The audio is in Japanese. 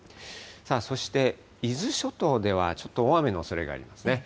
そして、伊豆諸島では、ちょっと大雨のおそれがありますね。